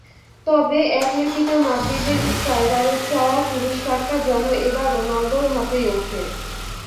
তবে অ্যাটলেটিকো মাদ্রিদের স্ট্রাইকারের চাওয়া, পুরস্কারটা যেন এবার রোনালদোর হাতেই ওঠে।